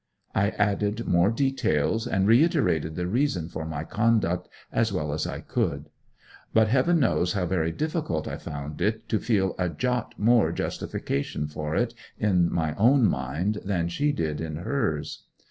I added more details, and reiterated the reason for my conduct as well as I could; but Heaven knows how very difficult I found it to feel a jot more justification for it in my own mind than she did in hers.